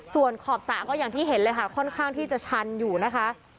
ส่วนขอบสระก็อย่างที่เห็นเลยค่ะค่อนข้างที่จะชันอยู่นะคะ